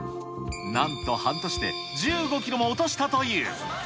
なんと半年で１５キロも落としたという。